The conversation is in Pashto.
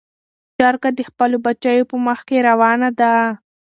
چرګه د خپلو بچیو په مخ کې روانه ده.